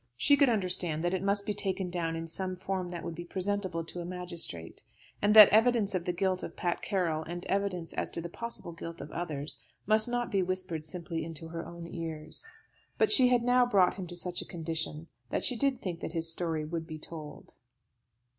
She could understand that it must be taken down in some form that would be presentable to a magistrate, and that evidence of the guilt of Pat Carroll and evidence as to the possible guilt of others must not be whispered simply into her own ears. But she had now brought him to such a condition that she did think that his story would be told.